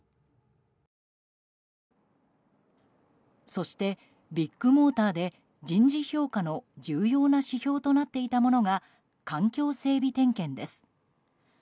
そして、ビッグモーターで人事評価の重要な指標となっていたものが環境整備点検です。